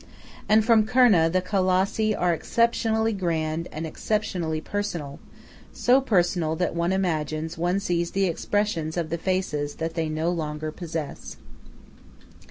And from Kurna the Colossi are exceptionally grand and exceptionally personal, so personal that one imagines one sees the expressions of the faces that they no longer possess.